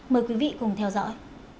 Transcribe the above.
mời quý vị cùng theo dõi